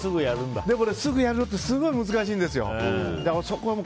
でも、すぐやるってすごい難しいんですよ。